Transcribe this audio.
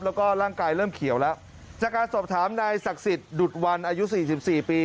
แล้วก็ร่างกายเริ่มเขียวแล้วจากการสอบถามนายศักดิ์สิทธิ์ดุดวันอายุสี่สิบสี่ปี